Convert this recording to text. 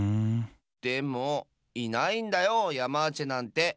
でもいないんだよヤマーチェなんて！